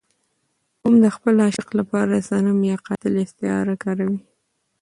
هم د خپل عاشق لپاره د صنم يا قاتل استعاره کاروي.